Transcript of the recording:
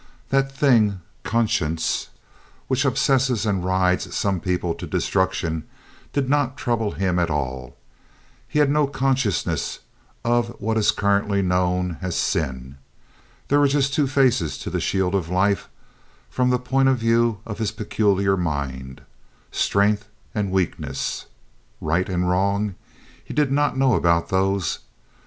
That thing conscience, which obsesses and rides some people to destruction, did not trouble him at all. He had no consciousness of what is currently known as sin. There were just two faces to the shield of life from the point of view of his peculiar mind strength and weakness. Right and wrong? He did not know about those.